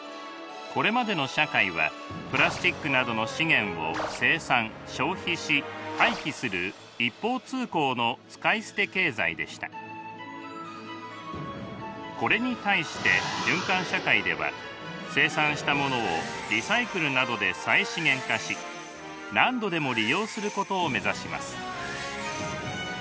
これまでの社会はプラスチックなどの資源を生産消費し廃棄する一方通行のこれに対して循環社会では生産したものをリサイクルなどで再資源化し何度でも利用することを目指します。